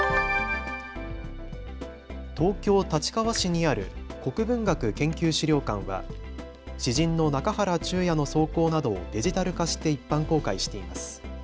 東京立川市にある国文学研究資料館は詩人の中原中也の草稿などをデジタル化して一般公開しています。